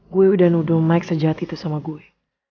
gue udah nuduh maik sejati tuh sama gue